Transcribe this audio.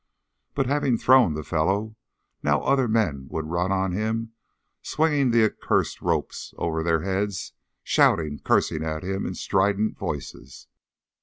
But having thrown the fellow, now other men would run on him, swinging the accursed ropes over their heads, shouting, cursing at him in strident voices.